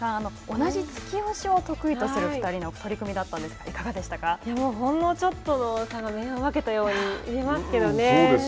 同じ突き押しを得意とする２人の戦いだったんですがもうほんのちょっとの差が明暗を分けたように見えますけどね。